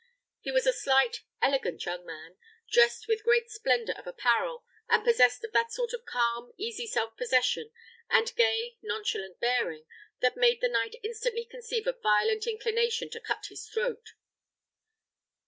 He was a slight, elegant young man, dressed with great splendour of apparel, and possessed of that sort of calm, easy self possession, and gay, nonchalant bearing, that made the knight instantly conceive a violent inclination to cut his throat.